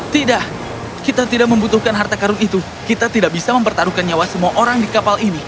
tidak kita tidak membutuhkan harta karun itu kita tidak bisa mempertaruhkan nyawa semua orang di kapal ini